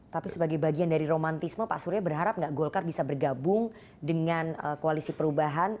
tapi sebagai bagian dari romantisme pak surya berharap nggak golkar bisa bergabung dengan koalisi perubahan